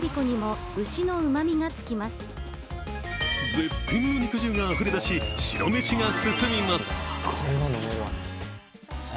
絶品の肉汁があふれ出し白めしが進みます。